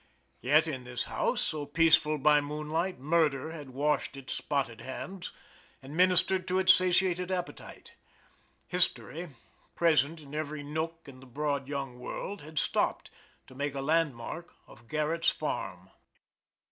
Yet in this house, so peaceful by moonlight, murder had washed its spotted hands, and ministered to its satiated appetite. History present in every nook in the broad young world had stopped, to make a landmark of Garrett's farm.